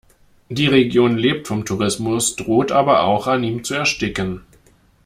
Die Region lebt vom Tourismus, droht aber auch an ihm zu ersticken.